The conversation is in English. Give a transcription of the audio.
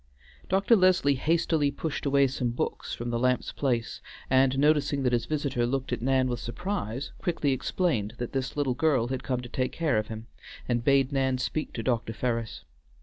Dr. Leslie hastily pushed away some books from the lamp's place; and noticing that his visitor looked at Nan with surprise, quickly explained that this little girl had come to take care of him, and bade Nan speak to Dr. Ferris.